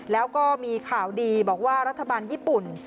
แล้วก็มีข่าวดีบอกว่ารัฐบาลญี่ปุ่น